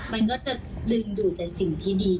มันก็จะดึงดูดแต่สิ่งที่ดี